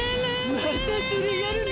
またそれやるの？